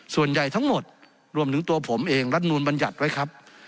ส่วนใหญ่ทั้งหมดรวมถึงตัวผมเองรัฐนูลบัญญัติไว้ครับ